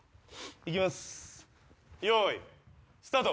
行きますよいスタート。